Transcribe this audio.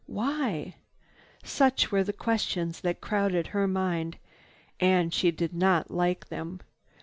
Why? Such were the questions that crowded her mind. And she did not like them.